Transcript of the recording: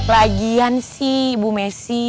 lagian sih ibu messi